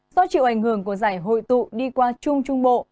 do chịu ảnh hưởng của giải hội tụ đi qua trung trung bộ